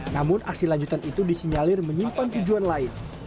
namun aksi lanjutan itu disinyalir menyimpan tujuan lain